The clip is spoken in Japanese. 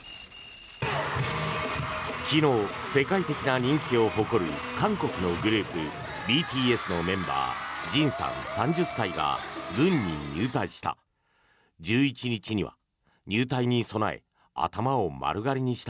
昨日、世界的な人気を誇る韓国のグループＢＴＳのメンバーＪＩＮさん、３０歳が軍に入隊した。